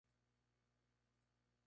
Su capital es Maikop.